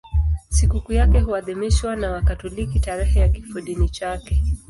Sikukuu yake huadhimishwa na Wakatoliki tarehe ya kifodini chake.